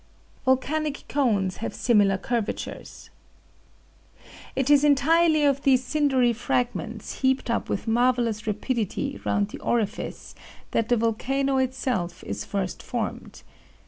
VOLCANIC CONES HAVE SIMILAR CURVATURES It is entirely of these cindery fragments heaped up with marvellous rapidity round the orifice that the volcano itself is first formed.